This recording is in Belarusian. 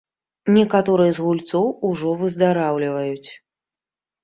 Некаторыя з гульцоў ужо выздараўліваюць.